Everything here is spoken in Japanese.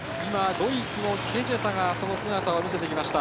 ドイツのケジェタが姿を見せてきました。